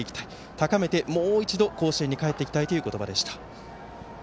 高めてもう一度、甲子園に帰ってきたいという言葉でした。